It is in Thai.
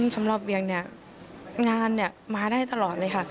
เวียงเนี่ยงานมาได้ตลอดเลยค่ะ